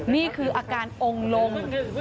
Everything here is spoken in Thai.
นี่คืออาการองค์ลง